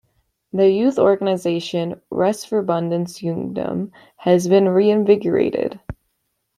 Their youth organization Retsforbundets Ungdom has been reinvigorated.